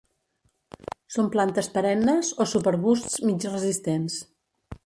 Són plantes perennes o subarbusts mig resistents.